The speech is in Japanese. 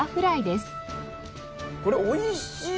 これおいしい。